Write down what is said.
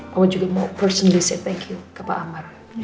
mama juga mau personally say thank you ke pak amar